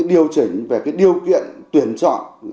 điều chỉnh về cái điều kiện tuyển chọn